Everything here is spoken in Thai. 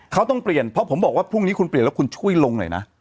เขาต้องเปลี่ยนเพราะผมบอกว่าพรุ่งนี้คุณเปลี่ยนแล้วคุณช่วยลงหน่อยนะ